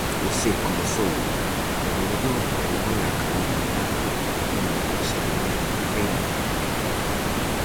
O Cee comezou algo mellor pero o Noia acabou dominando unha eslamiada primeira metade.